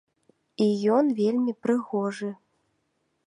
І ён вельмі прыгожы.